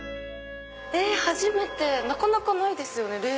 えっ初めてなかなかないですよね冷麺。